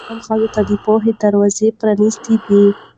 اسلام ښځو ته د پوهې دروازه پرانستې ده.